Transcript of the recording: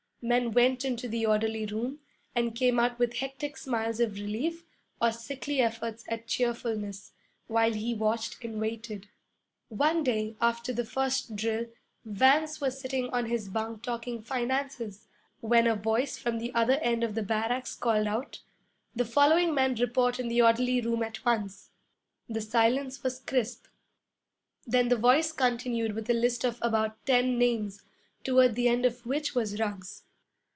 Men went into the orderly room, and came out with hectic smiles of relief or sickly efforts at cheerfulness, while he watched and waited. One day, after the first drill, Vance was sitting on his bunk talking finances, when a voice from the other end of the barracks called out, 'The following men report in the orderly room at once!' The silence was crisp. Then the voice continued with a list of about ten names, toward the end of which was Ruggs.